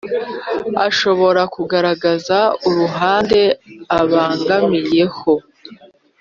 ashobora kugaragaza uruhande abogamiyeho